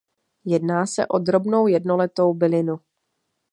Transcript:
Jedná se o drobnou jednoletou bylinu.